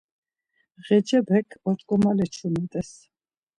Ğecepek oç̌ǩomale çumet̆es.